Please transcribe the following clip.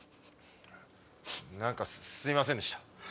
何かすいませんでした